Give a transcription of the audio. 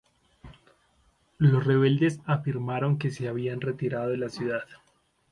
Los rebeldes afirmaron que se habían retirado de la ciudad.